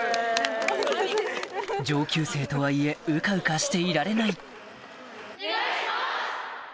上級生とはいえうかうかしていられないお願いします！